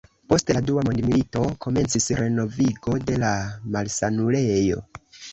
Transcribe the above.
Post la dua mondmilito komencis renovigo de la malsanulejo.